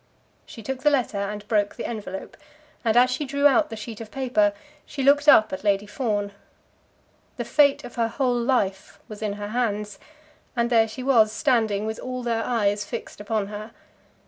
She took the letter and broke the envelope, and as she drew out the sheet of paper, she looked up at Lady Fawn. The fate of her whole life was in her hands, and there she was standing with all their eyes fixed upon her.